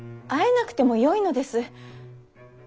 会えなくてもよいのです。